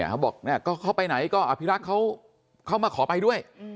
เขาบอกเขาไปไหนก็อภิรักษ์เขามาขอไปด้วย